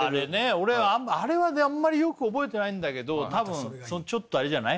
俺あれはねあんまりよく覚えてないんだけど多分ちょっとあれじゃない？